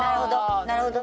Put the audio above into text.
なるほど。